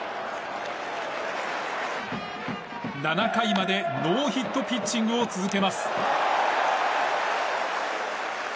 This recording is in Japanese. ７回までノーヒットピッチングを続けます。